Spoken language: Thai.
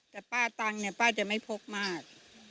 แต่ป้าตังค์เนี่ยป้าจะไม่พกมาก